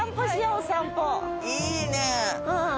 いいね。